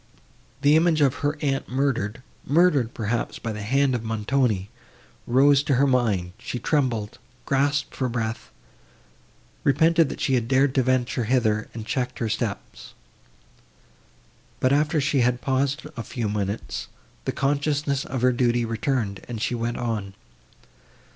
The image of her aunt murdered—murdered, perhaps, by the hand of Montoni, rose to her mind; she trembled, gasped for breath—repented that she had dared to venture hither, and checked her steps. But, after she had paused a few minutes, the consciousness of her duty returned, and she went on.